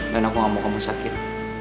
dan aku gak mau kamu sakit